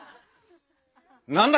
何だ？